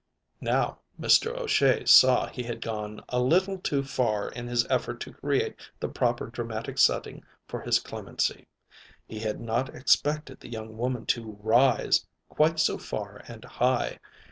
Now Mr. O'Shea saw he had gone a little too far in his effort to create the proper dramatic setting for his clemency. He had not expected the young woman to "rise" quite so far and high.